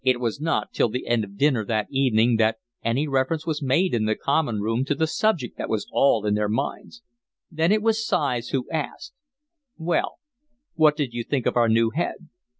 It was not till the end of dinner that evening that any reference was made in the common room to the subject that was in all their minds. Then it was Sighs who asked: "Well, what did you think of our new head?"